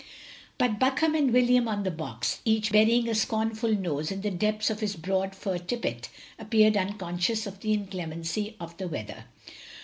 But Buckam and William on the box, each btuying a scornful nose in the depths of his broad fur tippet, appeared unconscious of the inclemency of the weather.